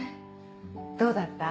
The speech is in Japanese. どうだった？